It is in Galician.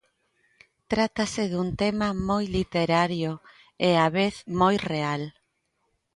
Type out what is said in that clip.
Trátase dun tema moi literario e á vez moi real.